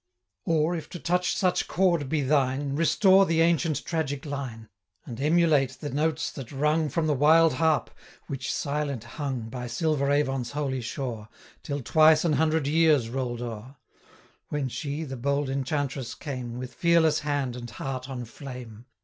'Or, if to touch such chord be thine, Restore the ancient tragic line, And emulate the notes that rung From the wild harp, which silent hung 100 By silver Avon's holy shore, Till twice an hundred years roll'd o'er; When she, the bold Enchantress, came, With fearless hand and heart on flame!